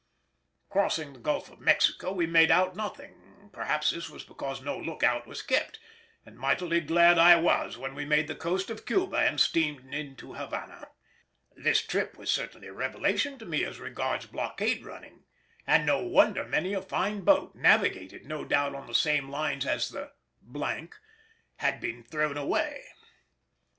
Crossing the Gulf of Mexico we made out nothing; perhaps this was because no look out was kept; and mightily glad I was when we made the coast of Cuba and steamed into Havana. This trip was certainly a revelation to me as regards blockade running, and no wonder many a fine boat, navigated, no doubt, on the same lines as the —— had been thrown away.